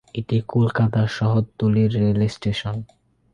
এটি কলকাতার শহরতলির রেলস্টেশন।